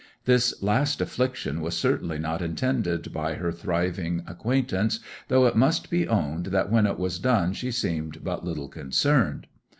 This last affliction was certainly not intended by her thriving acquaintance, though it must be owned that when it was done she seemed but little concerned.